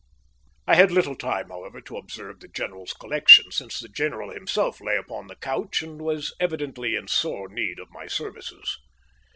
I had little time, however, to observe the general's collection, since the general himself lay upon the couch and was evidently in sore need of my services.